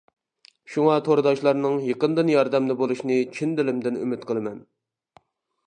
شۇڭا تورداشلارنىڭ يېقىندىن ياردەمدە بولۇشىنى چىن دىلىمدىن ئۈمىد قىلىمەن.